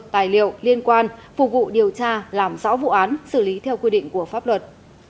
tài liệu liên quan phục vụ điều tra làm rõ vụ án xử lý theo quy định của pháp luật